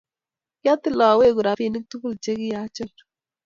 kiatil oweku robinik tugul che ki achoor